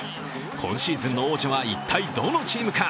今シーズンの王者は一体、どのチームか。